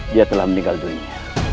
dia telah meninggal dunia